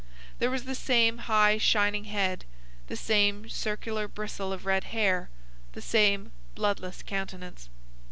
There was the same high, shining head, the same circular bristle of red hair, the same bloodless countenance.